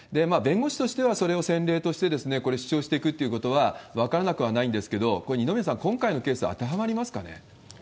弁護士としては、それを先例として、これ、主張していくってことは分からなくはないんですけど、これ、二宮さん、今回のケース、当てはまりますかね？